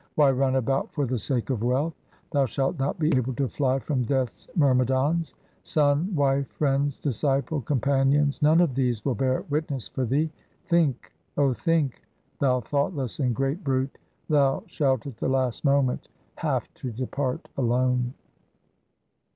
Why run about for the sake of wealth ? thou shalt not be able to fly from Death's myrmidons. Son, wife, friends, disciple, companions — none of these will bear witness for thee. Think, O think, thou thoughtless and great brute, thou shalt at the last moment have to depart alone.